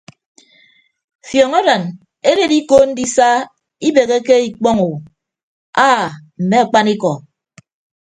Fiọñ aran eded iko ndisa ibeheke ikpọño aa mme akpanikọ.